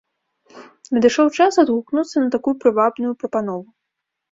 Надышоў час адгукнуцца на такую прывабную прапанову.